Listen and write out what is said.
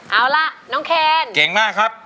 เอาล่ะน้องเคนเก่งมากครับ